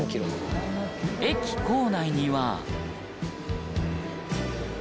駅構内には。